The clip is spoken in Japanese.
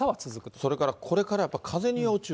それからこれからやっぱり風に要注意。